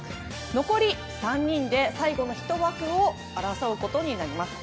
残り３人で最後の１枠を争うことになります。